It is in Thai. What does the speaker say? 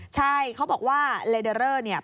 ใช่เขาบอกว่าเลเดอเรอร์เนี่ย